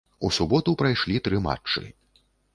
У суботу прайшлі тры матчы.